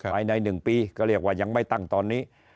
ภายใน๑ปีก็เรียกว่ายังไม่ตั้งตอนนี้